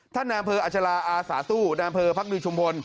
นายอำเภออัชลาอาสาสู้นายอำเภอภักดีชุมพล